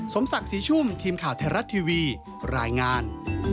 สมศักดิ์ศรีชุ่มทีมข่าวไทยรัฐทีวีรายงาน